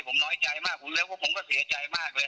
ผมน้อยใจมากผมนึกว่าผมก็เสียใจมากเลย